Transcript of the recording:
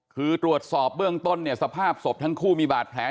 คือตรวจสอบเบื้องต้นเนี่ยสภาพศพทั้งคู่มีบาดแผล